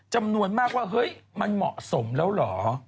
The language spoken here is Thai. จำนวนมากว่าเฮ้ยมันเหมาะสมแล้วเหรอ